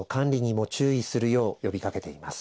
十分注意するよう呼びかけています。